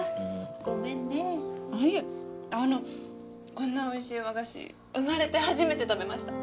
こんなおいしい和菓子生まれて初めて食べました。